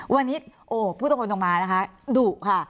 วันนี้พูดตรงนี้นะคะดุค่ะ